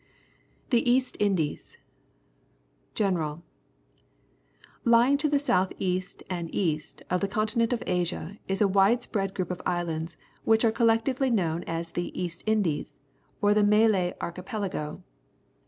THE EAST INDIES General. — L^ ing to the south east and east of the continent of Asia is a wide spread Volcanoes, Java group of islands, which are collectively known as the East Indies, or the Malay Archi pelago.